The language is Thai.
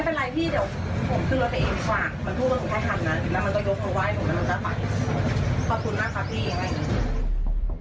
ขอบคุณมากครับพี่อย่างนั้น